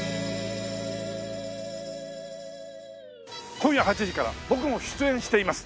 今夜８時から僕も出演しています